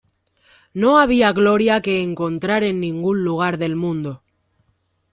No había gloria que encontrar en ningún lugar del mundo.